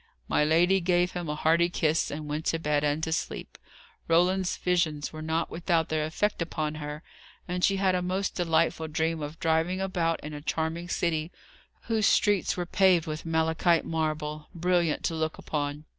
My lady gave him a hearty kiss, and went to bed and to sleep. Roland's visions were not without their effect upon her, and she had a most delightful dream of driving about in a charming city, whose streets were paved with malachite marble, brilliant to look upon.